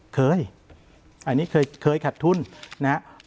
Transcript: เคยอันนี้เคยขัดทุนนะครับ